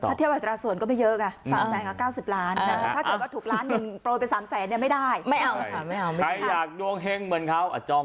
ถ้าเที่ยวอัตราส่วนก็ไม่เยอะค่ะ๓แสนกับ๙๐ล้าน